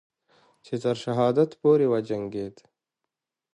چې تر شهادت پورې وجنگید